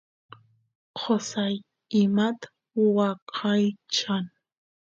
qosay imat waqaychan